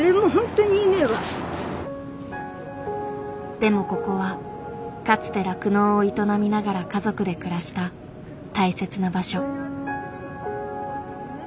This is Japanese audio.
でもここはかつて酪農を営みながら家族で暮らした大切な場所。